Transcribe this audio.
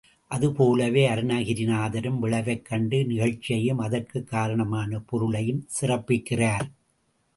அது போலவே அருணகிரிநாதரும் விளைவைக் கண்டு நிகழ்ச்சியையும் அதற்குக் காரணமான பொருளையும் சிறப்பிக்கிறார்.